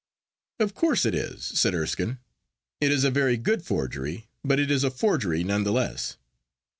'Of course it is,' said Erskine. 'It is a very good forgery; but it is a forgery none the less.